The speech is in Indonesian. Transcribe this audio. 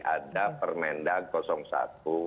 ada permenda satu